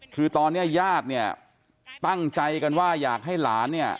คือตอนนี้ญาติเนี่ยตั้งใจกันว่าอยากให้หลานเนี่ย